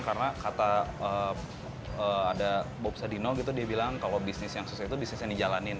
karena kata bob sadino dia bilang kalau bisnis yang susah itu bisnis yang dijalankan